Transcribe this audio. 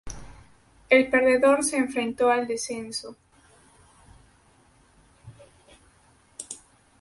El perdedor se enfrentó al descenso.